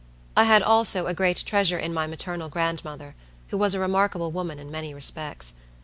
I had also a great treasure in my maternal grandmother, who was a remarkable woman in many respects.